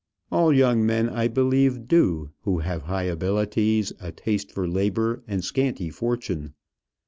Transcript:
All young men I believe do, who have high abilities, a taste for labour, and scanty fortune.